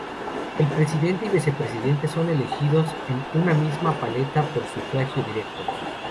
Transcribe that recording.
El Presidente y Vicepresidente son elegidos en una misma papeleta por sufragio directo.